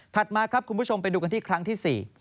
มาครับคุณผู้ชมไปดูกันที่ครั้งที่๔